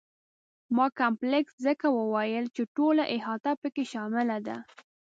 ما کمپلکس ځکه وویل چې ټوله احاطه په کې شامله ده.